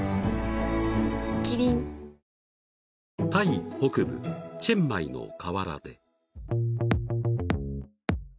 ［タイ北部チェンマイの河原で］